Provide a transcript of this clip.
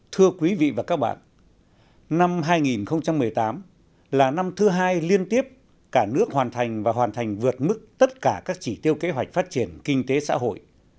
thưa quý vị và các bạn năm hai nghìn một mươi tám là năm thứ hai liên tiếp cả nước hoàn thành và hoàn thành vượt mức tất cả các chỉ tiêu kế hoạch phát triển kinh tế xã hội